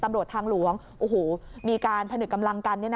ตำรวจทางหลวงมีการผนึกกำลังกัน